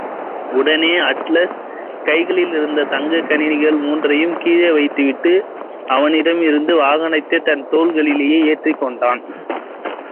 உடனே அட்லஸ் கைகளிலிருந்த தங்கக் கனிகள் மூன்றையும் கீழே வைத்துவிட்டு அவனிடமிருந்து வானத்தைத் தன் தோள்களிலே ஏற்றுக்கொண்டான்.